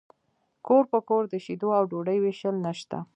کور په کور د شیدو او ډوډۍ ویشل نشته